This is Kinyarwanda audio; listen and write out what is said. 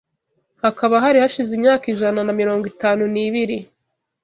hakaba hari hashize imyaka ijana na mirongo itanu nibiri